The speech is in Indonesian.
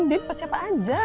dipet siapa aja